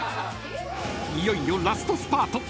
［いよいよラストスパート！